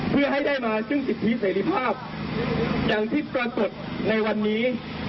เพื่อให้ได้มาซึ่งสิทธิเสรีภาพอย่างที่ปรากฏในวันนี้